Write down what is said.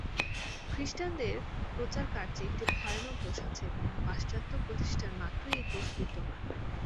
খ্রীষ্টানদের প্রচারকার্যে একটি ভয়ানক দোষ আছে এবং পাশ্চাত্য প্রতিষ্ঠান মাত্রেই এই দোষ বিদ্যমান।